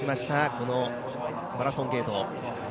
このマラソンゲート。